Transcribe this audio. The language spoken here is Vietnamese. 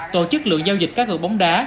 tổ chức lượng giao dịch cá cược bóng đá